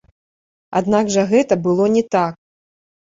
Аднак жа гэта было не так.